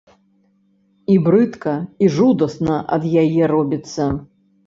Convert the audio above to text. І брыдка і жудасна ад яе робіцца.